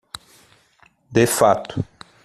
De fato